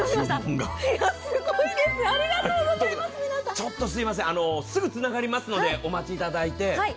ちょっとすみません、すぐつながりますのでお待ちいただいて。